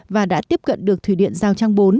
và đã tiếp cận được thủy điện giao trang bốn